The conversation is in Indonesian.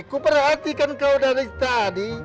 kuperhatikan kau dari tadi